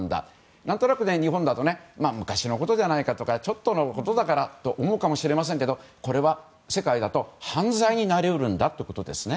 何となく日本だと昔のことじゃないかとかちょっとのことだからって思うかもしれませんがこれは世界だと犯罪になり得るんだということです。